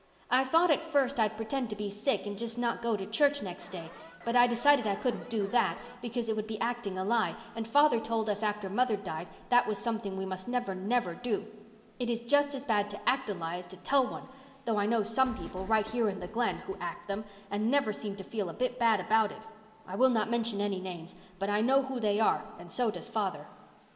I thought at first I'd pretend to be sick and not go to church next day, but I decided I couldn't do that, because it would be acting a lie, and father told us after mother died that was something we must never, never do. It is just as bad to act a lie as to tell one, though I know some people, right here in the Glen, who act them, and never seem to feel a bit bad about it. I will not mention any names, but I know who they are and so does father.